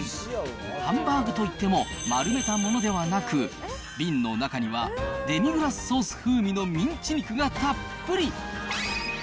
ハンバーグといっても、丸めたものではなく、瓶の中にはデミグラスソース風味のミンチ肉がたっぷり。